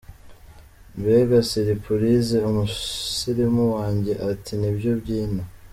Mbega siripurize!!umusirimu wanjye ati nibyo byino.